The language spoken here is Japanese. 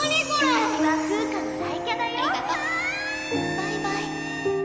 バイバイ。